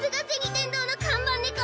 天堂の看板ねこ！